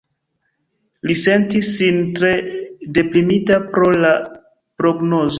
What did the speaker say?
Li sentis sin tre deprimita pro la prognozo.